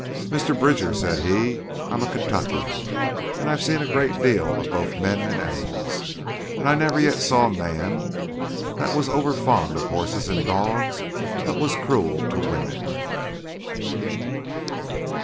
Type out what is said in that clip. "'Mr. Bridger,' said he, 'I'm a Kentuckian, and I've seen a great deal of both men and animals. And I never yet saw a man that was overfond of horses and dogs but what was cruel to women.